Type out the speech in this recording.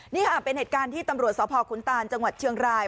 นี่ค่ะเป็นเหตุการณ์ที่ตำรวจสพขุนตานจังหวัดเชียงราย